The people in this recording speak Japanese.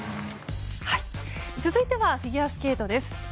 続いてはフィギュアスケートです。